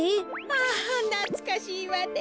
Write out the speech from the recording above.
あなつかしいわね。